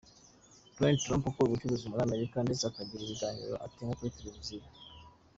Donald Trump akora ubucuruzi muri Amerika, ndetse akagira ibiganiro atanga kuri Televiziyo.